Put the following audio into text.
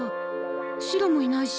シロもいないし。